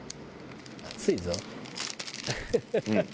「熱いぞ」